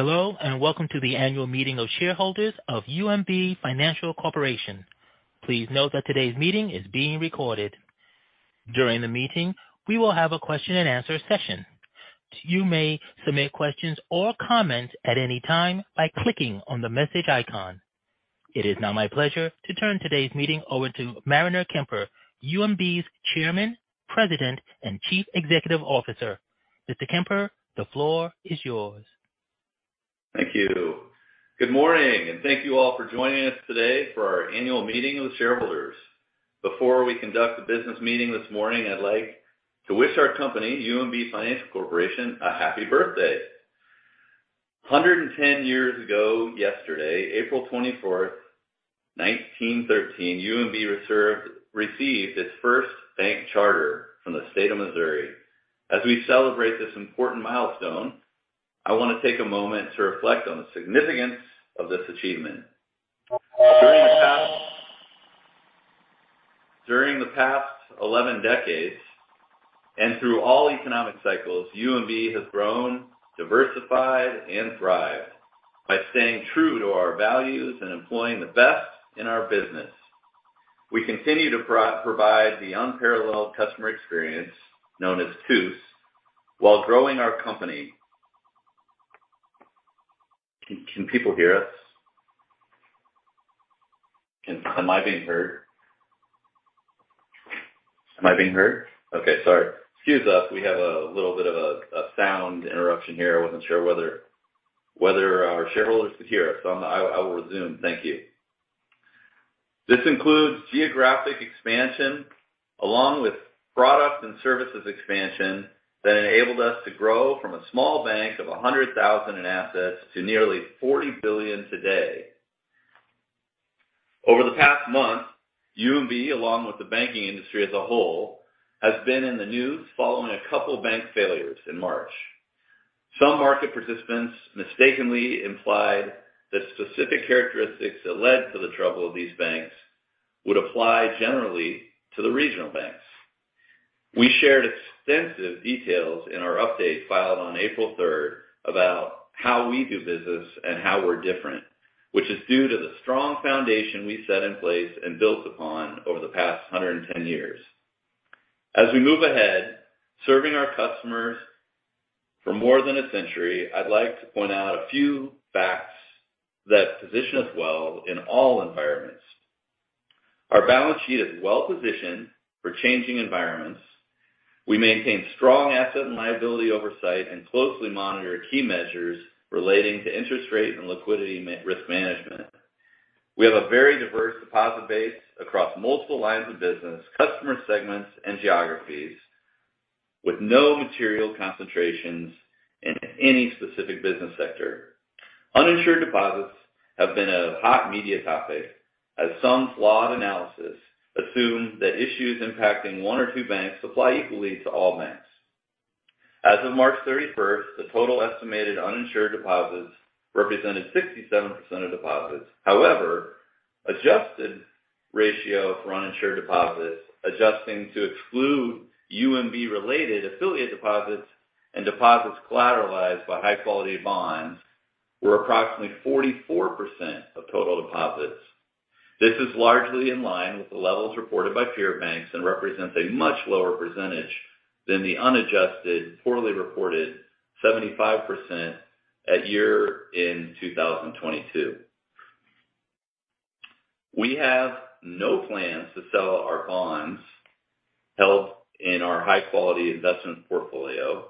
Hello, and welcome to the Annual Meeting of Shareholders of UMB Financial Corporation. Please note that today's meeting is being recorded. During the meeting, we will have a question-and-answer session. You may submit questions or comments at any time by clicking on the message icon. It is now my pleasure to turn today's meeting over to Mariner Kemper, UMB's Chairman, President, and Chief Executive Officer. Mr. Kemper, the floor is yours. Thank you. Good morning, thank you all for joining us today for our Annual Meeting of Shareholders. Before we conduct the business meeting this morning, I'd like to wish our company, UMB Financial Corporation, a happy birthday. 110 years ago yesterday, April 24th, 1913, UMB Reserve received its first bank charter from the State of Missouri. As we celebrate this important milestone, I want to take a moment to reflect on the significance of this achievement. During the past 11 decades and through all economic cycles, UMB has grown, diversified, and thrived by staying true to our values and employing the best in our business. We continue to provide the unparalleled customer experience known as TUCE while growing our company. Can people hear us? Am I being heard? Am I being heard? Okay, sorry. Excuse us. We have a little bit of a sound interruption here. I wasn't sure whether our shareholders could hear us. I will resume. Thank you. This includes geographic expansion along with product and services expansion that enabled us to grow from a small bank of $100,000 in assets to nearly $40 billion today. Over the past month, UMB, along with the banking industry as a whole, has been in the news following a couple bank failures in March. Some market participants mistakenly implied the specific characteristics that led to the trouble of these banks would apply generally to the regional banks. We shared extensive details in our update filed on April 3rd about how we do business and how we're different, which is due to the strong foundation we set in place and built upon over the past 110 years. As we move ahead, serving our customers for more than a century, I'd like to point out a few facts that position us well in all environments. Our balance sheet is well-positioned for changing environments. We maintain strong asset and liability oversight and closely monitor key measures relating to interest rate and liquidity risk management. We have a very diverse deposit base across multiple lines of business, customer segments, and geographies with no material concentrations in any specific business sector. Uninsured deposits have been a hot media topic as some flawed analysis assumed that issues impacting one or two banks apply equally to all banks. As of March 31st, the total estimated uninsured deposits represented 67% of deposits. However, adjusted ratio for uninsured deposits, adjusting to exclude UMB-related affiliate deposits and deposits collateralized by high-quality bonds, were approximately 44% of total deposits. This is largely in line with the levels reported by peer banks and represents a much lower percentage than the unadjusted, poorly reported 75% at year-end 2022. We have no plans to sell our bonds held in our high-quality investment portfolio.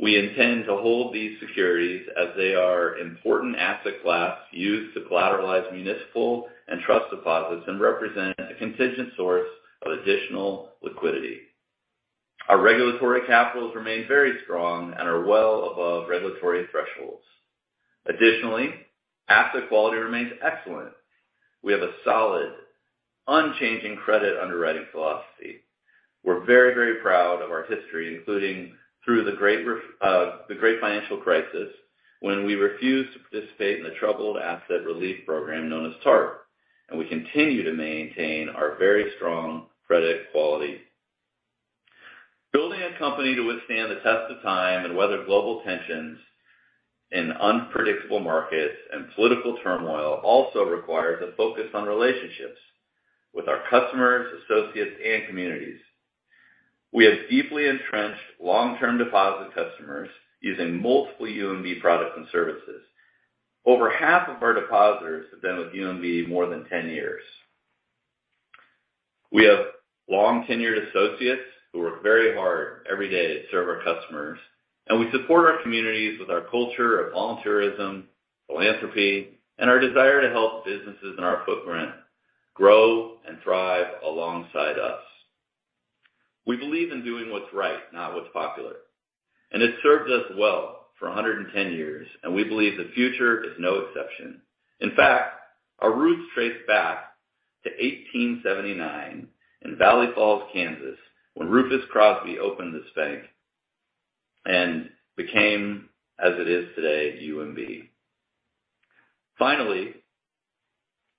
We intend to hold these securities as they are important asset class used to collateralize municipal and trust deposits and represent a contingent source of additional liquidity. Our regulatory capitals remain very strong and are well above regulatory thresholds. Additionally, asset quality remains excellent. We have a solid, unchanging credit underwriting philosophy. We're very, very proud of our history, including through the great financial crisis when we refused to participate in the Troubled Asset Relief Program known as TARP, and we continue to maintain our very strong credit quality. Building a company to withstand the test of time and weather global tensions in unpredictable markets and political turmoil also requires a focus on relationships with our customers, associates, and communities. We have deeply entrenched long-term deposit customers using multiple UMB products and services. Over half of our depositors have been with UMB more than 10 years. We have long-tenured associates who work very hard every day to serve our customers, and we support our communities with our culture of volunteerism, philanthropy, and our desire to help businesses in our footprint grow and thrive alongside us. We believe in doing what's right, not what's popular, and it served us well for 110 years, and we believe the future is no exception. In fact, our roots trace back to 1879 in Valley Falls, Kansas, when Rufus Crosby opened this bank and became as it is today, UMB. Finally,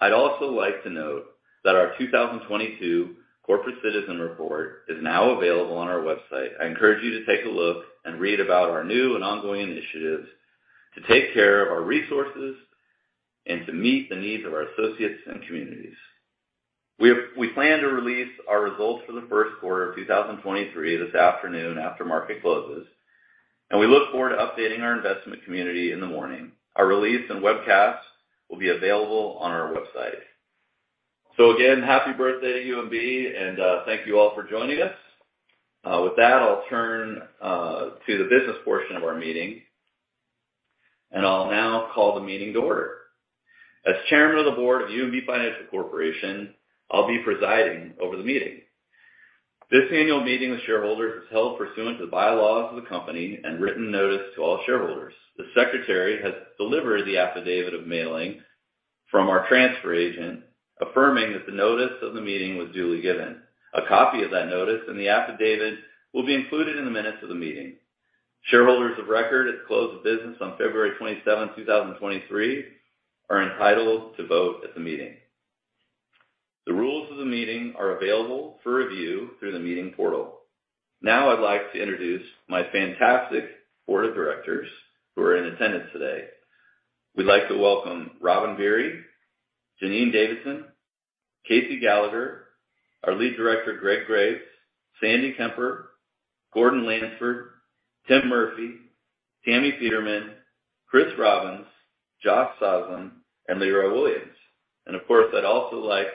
I'd also like to note that our 2022 corporate citizen report is now available on our website. I encourage you to take a look and read about our new and ongoing initiatives to take care of our resources and to meet the needs of our associates and communities. We plan to release our results for the first quarter of 2023 this afternoon after market closes, and we look forward to updating our investment community in the morning. Our release and webcast will be available on our website. Again, happy birthday to UMB, and thank you all for joining us. With that, I'll turn to the business portion of our meeting. I'll now call the meeting to order. As Chairman of the Board of UMB Financial Corporation, I'll be presiding over the meeting. This annual meeting with shareholders is held pursuant to the bylaws of the company and written notice to all shareholders. The Secretary has delivered the affidavit of mailing from our transfer agent, affirming that the notice of the meeting was duly given. A copy of that notice and the affidavit will be included in the minutes of the meeting. Shareholders of record at the close of business on February 27th, 2023 are entitled to vote at the meeting. The rules of the meeting are available for review through the meeting portal. Now I'd like to introduce my fantastic Board of Directors who are in attendance today. We'd like to welcome Robin Beery, Janine Davidson, Casey Gallagher, our Lead Director, Greg Graves, Sandy Kemper, Gordon Lansford, Tim Murphy, Tammy Peterman, Kris Robbins, Josh Sosland, and Leroy Williams. Of course, I'd also like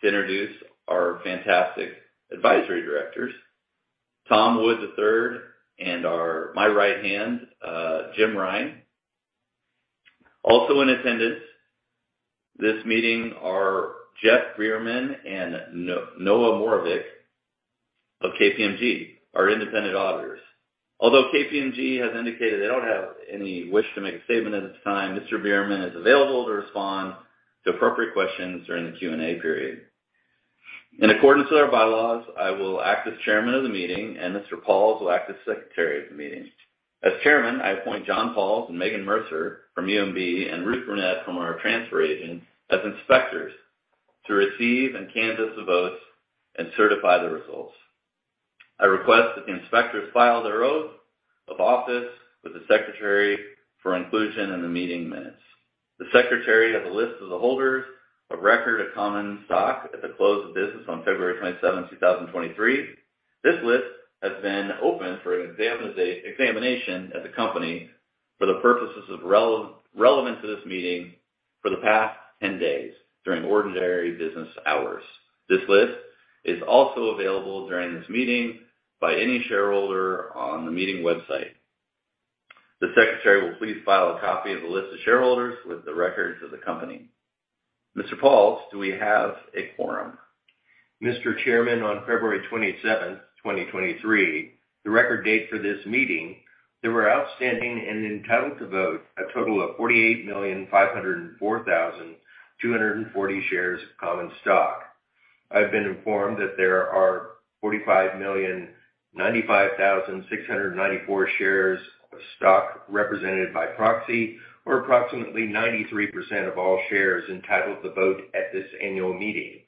to introduce our fantastic advisory directors, Tom Wood III, and my right hand, Jim Rine. Also in attendance this meeting are Jeff Bierman and Noah Moravec of KPMG, our independent auditors. Although KPMG has indicated they don't have any wish to make a statement at this time, Mr. Bierman is available to respond to appropriate questions during the Q&A period. In accordance with our bylaws, I will act as Chairman of the meeting, and Mr. Pauls will act as Secretary of the meeting. As Chairman, I appoint John Pauls and Megan Mercer from UMB, and Ruth Burnett from our transfer agent as inspectors to receive and canvass the votes and certify the results. I request that the inspectors file their oath of office with the Secretary for inclusion in the meeting minutes. The Secretary has a list of the holders of record of common stock at the close of business on February 27th, 2023. This list has been open for an examination at the company for the purposes relevant to this meeting for the past 10 days during ordinary business hours. This list is also available during this meeting by any shareholder on the meeting website. The Secretary will please file a copy of the list of shareholders with the records of the company. Mr. Pauls, do we have a quorum? Mr. Chairman, on February 27, 2023, the record date for this meeting, there were outstanding and entitled to vote a total of 48,504,240 shares of common stock. I've been informed that there are 45,095,694 shares of stock represented by proxy, or approximately 93% of all shares entitled to vote at this annual meeting.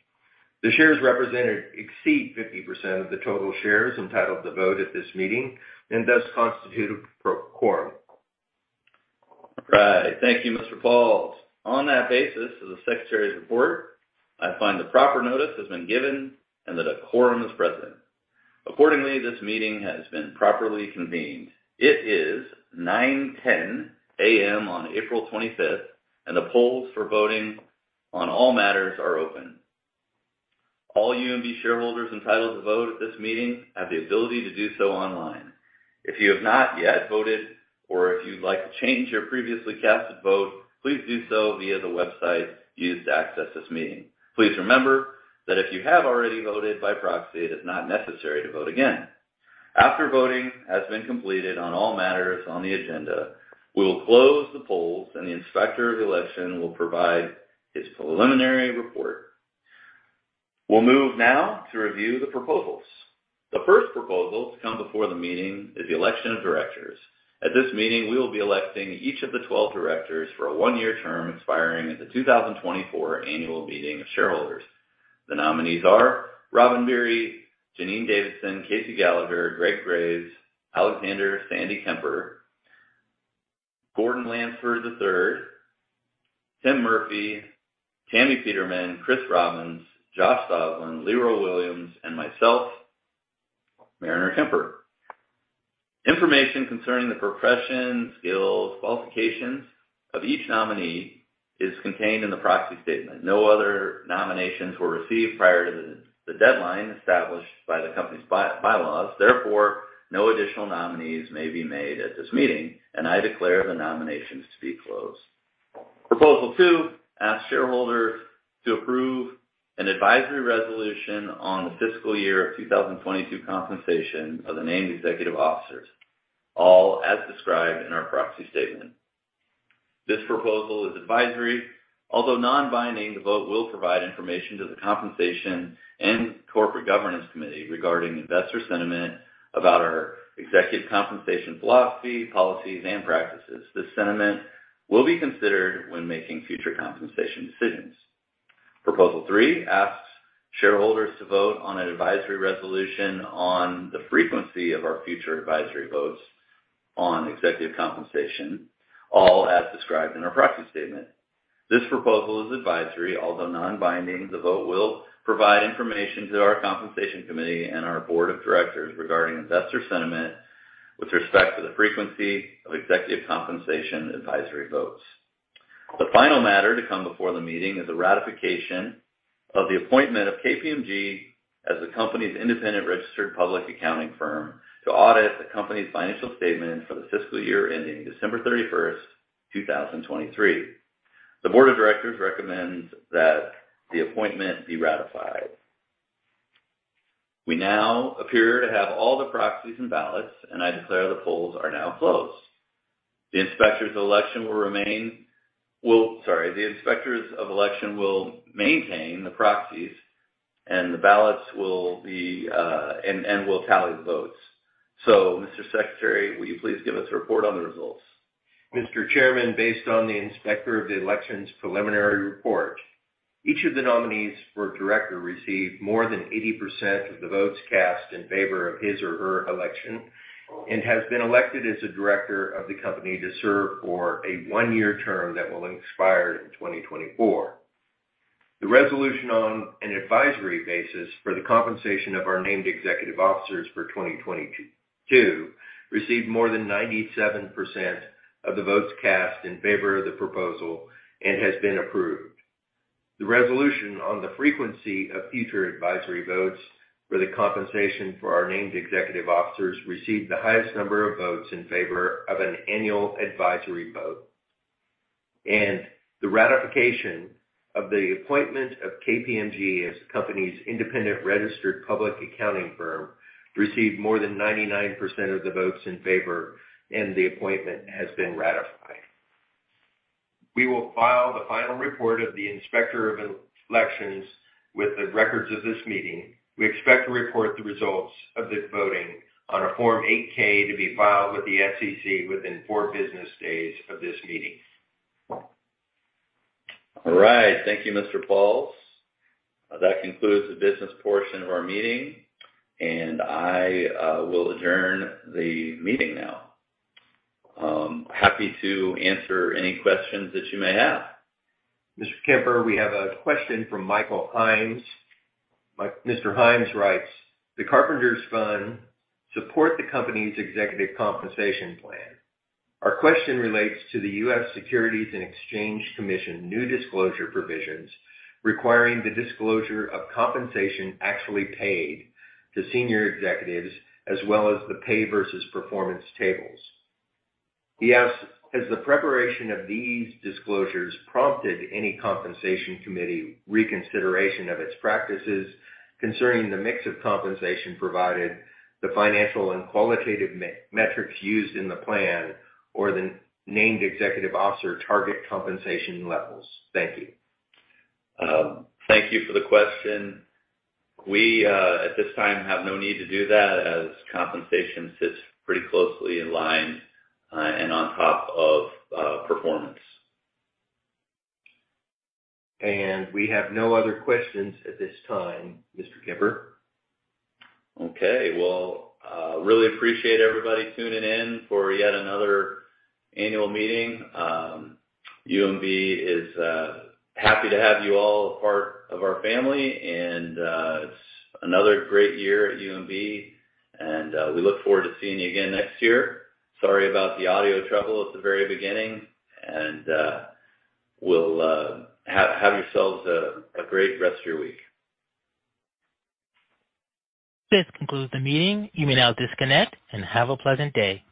The shares represented exceed 50% of the total shares entitled to vote at this meeting and thus constitute a pro-quorum. All right. Thank you, Mr. Pauls. On that basis of the Secretary's report, I find the proper notice has been given and that a quorum is present. Accordingly, this meeting has been properly convened. It is 9:10 A.M. on April 25th, and the polls for voting on all matters are open. All UMB shareholders entitled to vote at this meeting have the ability to do so online. If you have not yet voted or if you'd like to change your previously casted vote, please do so via the website used to access this meeting. Please remember that if you have already voted by proxy, it is not necessary to vote again. After voting has been completed on all matters on the agenda, we will close the polls, and the Inspector of Election will provide his preliminary report. We'll move now to review the proposals. The first proposal to come before the meeting is the election of directors. At this meeting, we will be electing each of the 12 directors for a one-year term expiring at the 2024 Annual Meeting of Shareholders. The nominees are Robin Beery, Janine Davidson, Casey Gallagher, Greg Graves, Alexander Sandy Kemper, Gordon Lansford III, Tim Murphy, Tammy Peterman, Kris Robbins, Josh Sosland, Leroy Williams, and myself, Mariner Kemper. Information concerning the profession, skills, qualifications of each nominee is contained in the proxy statement. No other nominations were received prior to the deadline established by the company's bylaws. Therefore, no additional nominees may be made at this meeting, and I declare the nominations to be closed. Proposal 2 asks shareholders to approve an advisory resolution on the fiscal year 2022 compensation of the named executive officers, all as described in our proxy statement. This proposal is advisory. Although nonbinding, the vote will provide information to the Compensation and Corporate Governance Committee regarding investor sentiment about our executive compensation philosophy, policies, and practices. This sentiment will be considered when making future compensation decisions. Proposal 3 asks shareholders to vote on an advisory resolution on the frequency of our future advisory votes on executive compensation, all as described in our proxy statement. This proposal is advisory. Although non-binding, the vote will provide information to our Compensation Committee and our Board of Directors regarding investor sentiment with respect to the frequency of executive compensation advisory votes. The final matter to come before the meeting is the ratification of the appointment of KPMG as the company's independent registered public accounting firm to audit the company's financial statement for the fiscal year ending December 31, 2023. The Board of Directors recommends that the appointment be ratified. We now appear to have all the proxies and ballots, and I declare the polls are now closed. Sorry. The Inspectors of Election will maintain the proxies, and the ballots will be and will tally the votes. Mr. Secretary, will you please give us a report on the results? Mr. Chairman, based on the Inspector of the Election's preliminary report, each of the nominees for director received more than 80% of the votes cast in favor of his or her election and has been elected as a director of the company to serve for a one-year term that will expire in 2024. The resolution on an advisory basis for the compensation of our named executive officers for 2022 received more than 97% of the votes cast in favor of the proposal and has been approved. The resolution on the frequency of future advisory votes for the compensation for our named executive officers received the highest number of votes in favor of an annual advisory vote. The ratification of the appointment of KPMG as the company's independent registered public accounting firm received more than 99% of the votes in favor, and the appointment has been ratified. We will file the final report of the Inspector of Elections with the records of this meeting. We expect to report the results of this voting on a Form 8-K to be filed with the SEC within four business days of this meeting. All right. Thank you, Mr. Pauls. That concludes the business portion of our meeting, and I will adjourn the meeting now. Happy to answer any questions that you may have. Mr. Kemper, we have a question from Michael Hinds. Mr. Hinds writes, "The Carpenters Fund support the company's executive compensation plan. Our question relates to the U.S. Securities and Exchange Commission new disclosure provisions requiring the disclosure of compensation actually paid to senior executives, as well as the pay versus performance tables." He asks, "Has the preparation of these disclosures prompted any Compensation Committee reconsideration of its practices concerning the mix of compensation provided, the financial and qualitative metrics used in the plan, or the named executive officer target compensation levels? Thank you. Thank you for the question. We, at this time have no need to do that as compensation sits pretty closely in line, and on top of, performance. We have no other questions at this time, Mr. Kemper. Okay. Well, really appreciate everybody tuning in for yet another annual meeting. UMB is happy to have you all a part of our family, and it's another great year at UMB, and we look forward to seeing you again next year. Sorry about the audio trouble at the very beginning and we'll... Have yourselves a great rest of your week. This concludes the meeting. You may now disconnect and have a pleasant day.